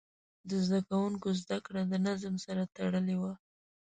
د زده کوونکو زده کړه د نظم سره تړلې وه.